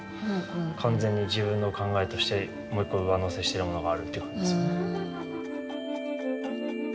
完全に自分の考えとしてもう１個上乗せしてるものがあるっていう。